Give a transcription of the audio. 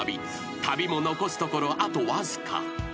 ［旅も残すところあとわずか］